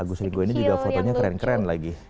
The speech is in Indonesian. agus rigo ini juga fotonya keren keren lagi